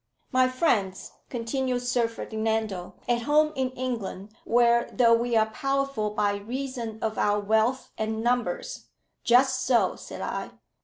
"My friends," continued Sir Ferdinando, "at home in England, where, though we are powerful by reason of our wealth and numbers " "Just so," said I.